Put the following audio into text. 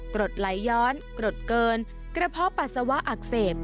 กรดไหลย้อนกรดเกินกระเพาะปัสสาวะอักเสบ